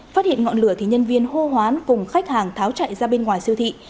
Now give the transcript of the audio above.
phát hiện ngọn lửa thì nhân viên hô hoán cùng khách hàng tháo chạy ra bên ngoài siêu thị